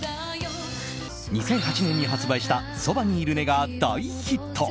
２００８年に発売した「そばにいるね」が大ヒット。